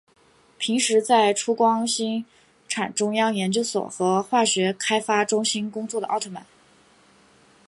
平时在出光兴产中央研究所和化学开发中心工作的奥特曼。